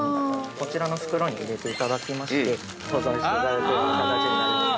こちらの袋に入れていただきまして保存していただくような形になります。